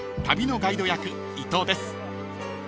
旅のガイド役伊藤です］